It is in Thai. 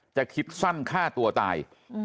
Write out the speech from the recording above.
คิดสั้นฆ่าตัวตาย